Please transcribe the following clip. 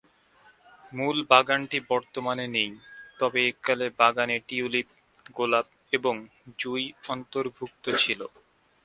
মূল বাগানটি বর্তমানে নেই, তবে এককালে বাগানে টিউলিপ, গোলাপ এবং জুঁই অন্তর্ভুক্ত ছিল।